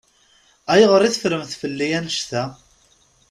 Ayɣer i teffremt fell-i annect-a?